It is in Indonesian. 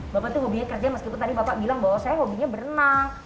bapak tuh hobinya kerja meskipun tadi bapak bilang bahwa saya hobinya berenang